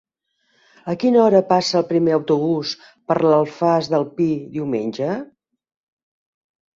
A quina hora passa el primer autobús per l'Alfàs del Pi diumenge?